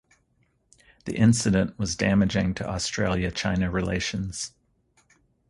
The incident was damaging to Australia–China relations.